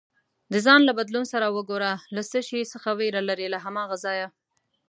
د ځان له بدلون لپاره وګوره له څه شي څخه ویره لرې، له هماغه ځایه